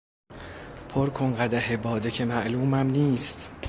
پرکن قدح باده که معلومم نیست...